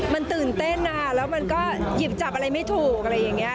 มันตื่นเต้นแล้วมันก็หยิบจับอะไรไม่ถูกอะไรอย่างนี้